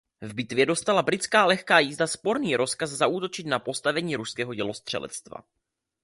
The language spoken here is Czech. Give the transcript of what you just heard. V bitvě dostala britská lehká jízda sporný rozkaz zaútočit na postavení ruského dělostřelectva.